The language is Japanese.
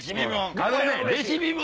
レシピ本。